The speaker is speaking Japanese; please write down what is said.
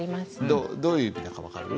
どういう意味だか分かる？